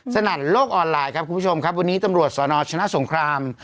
นั่นโลกออนไลน์ครับคุณผู้ชมครับวันนี้ตำรวจสนชนะสงคราม